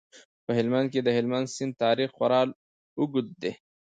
په افغانستان کې د هلمند سیند تاریخ خورا اوږد دی.